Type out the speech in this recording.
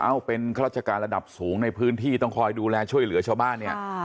เอ้าเป็นข้าราชการระดับสูงในพื้นที่ต้องคอยดูแลช่วยเหลือชาวบ้านเนี่ย